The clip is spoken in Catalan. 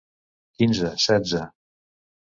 Quinze, setze...